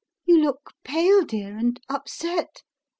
" You look pale, dear, and upset.